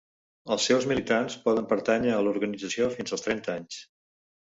Els seus militants poden pertànyer a l'organització fins als trenta anys.